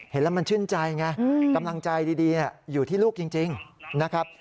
เห็นแล้วมันชื่นใจไงกำลังใจดีอยู่ที่ลูกจริงนะครับ